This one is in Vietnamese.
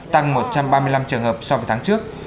tăng một trăm ba mươi năm trường hợp so với tháng trước